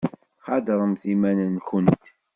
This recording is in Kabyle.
Qadremt iman-nwent.